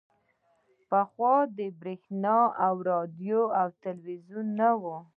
پخوا برېښنا او راډیو او ټلویزیون نه وو